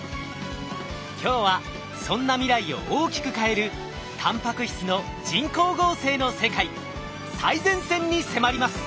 今日はそんな未来を大きく変えるタンパク質の人工合成の世界最前線に迫ります！